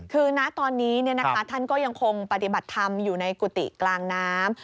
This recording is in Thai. คือณตอนนี้ท่านก็ยังคงปฏิบัติธรรมอยู่ในกุฏิกลางน้ำ